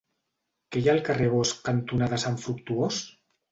Què hi ha al carrer Bosch cantonada Sant Fructuós?